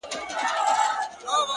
زه يې د نوم تر يوه ټكي صدقه نه سومه،